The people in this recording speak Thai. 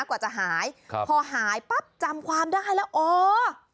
กว่าจะหายครับพอหายปั๊บจำความได้แล้วอ๋อ